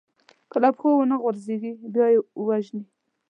که له پښو ونه غورځي، بیا يې وژني.